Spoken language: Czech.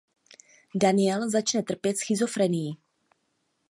Daniel začne trpět schizofrenií.